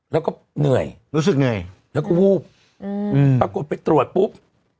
แล้วก็เหนื่อยรู้สึกเหนื่อยแล้วก็วูบปรากฏไปตรวจปุ๊บ